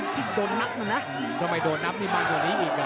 ทำไมโดนนับมีมันตัวนี้อีกอ่ะ